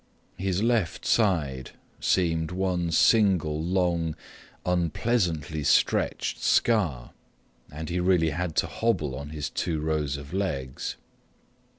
His left side seemed one single long unpleasantly stretched scar, and he really had to hobble on his two rows of legs.